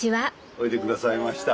おいで下さいました。